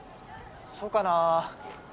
そうかな？